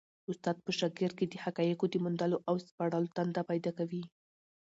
استاد په شاګرد کي د حقایقو د موندلو او سپړلو تنده پیدا کوي.